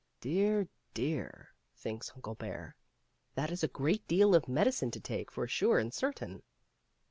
Dear, dear ! thinks Uncle Bear, that is a great deal of medicine to take, for sure and certain.